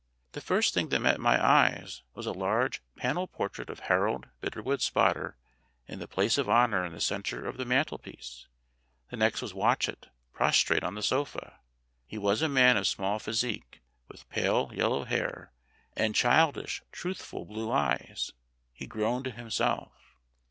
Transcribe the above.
The first thing that met my eyes was a large panel portrait of Harold Bitterwood Spotter in the place of honor in the center of the mantelpiece; the next was Watchet, prostrate on the sofa. He was a man of small physique, with pale yellow hair and childish, truthful blue eyes. He groaned to himself.